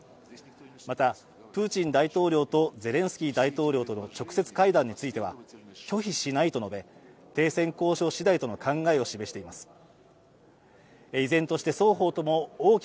またプーチン大統領とゼレンスキー大統領との直接会談については拒否しないと述べ、停戦交渉次第との考えを示しています。